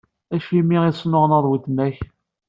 Acimi i tesnuɣnaḍ weltma-k?